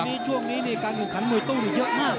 ตอนนี้ช่วงนี้การหนึ่งขันมือตู้มีเยอะมาก